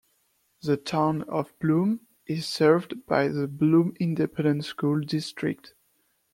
The Town of Blum is served by the Blum Independent School District.